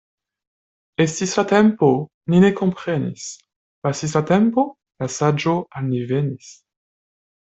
Estis la tempo, ni ne komprenis — pasis la tempo, la saĝo al ni venis.